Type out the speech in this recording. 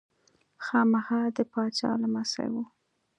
خاما د پاچا لمسی و.